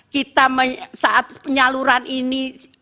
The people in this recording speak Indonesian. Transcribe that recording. kita saat penyaluran ini